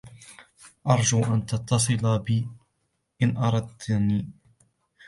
أرجو أن تتصل بي إن أردتني.